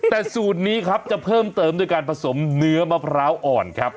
แต่สูตรนี้ครับจะเพิ่มเติมด้วยการผสมเนื้อมะพร้าวอ่อนครับ